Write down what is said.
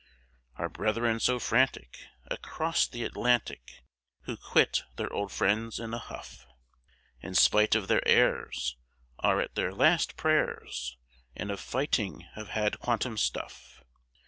Our brethren so frantic Across the Atlantic, Who quit their old friends in a huff, In spite of their airs, Are at their last prayers, And of fighting have had quantum suff.